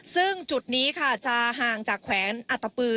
ซึ่งจุดนี้ค่ะจะห่างจากแขวงอัตปือ